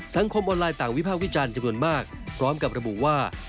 สังคมออนไลน์ต่างวิภาควิจารณ์จำนวนมากพร้อมกับระบุว่า